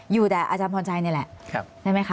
อยู่แต่อาจารย์พรชัยนี่แหละใช่ไหมคะ